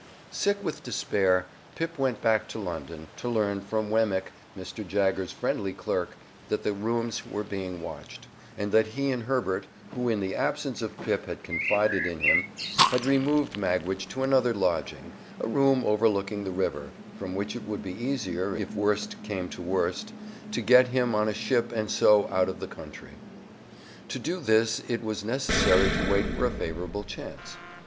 Sick with despair, Pip went back to London, to learn from Wemmick, Mr. Jaggers's friendly clerk, that the rooms were being watched, and that he and Herbert (who in the absence of Pip had confided in him) had removed Magwitch to another lodging a room overlooking the river, from which it would be easier, if worst came to worst, to get him on a ship and so out of the country. To do this it was necessary to wait for a favorable chance.